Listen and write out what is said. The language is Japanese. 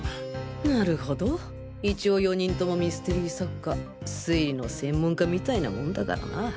なるほど一応４人ともミステリー作家推理の専門家みたいなもんだからな